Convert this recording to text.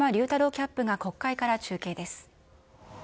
キャップが国会から中継です。